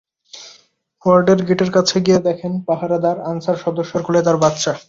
ওয়ার্ডের গেটের কাছে গিয়ে দেখেন, পাহারাদার আনসার সদস্যের কোলে তাঁর বাচ্চা।